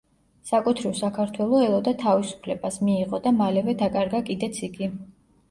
საკუთრივ საქართველო ელოდა თავისუფლებას, მიიღო და მალევე დაკარგა კიდეც იგი.